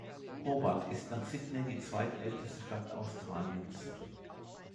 Hobart ist nach Sydney die zweitälteste Stadt Australiens.